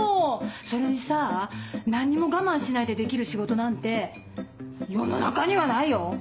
それにさぁ何にも我慢しないでできる仕事なんて世の中にはないよ。